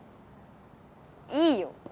いいよ。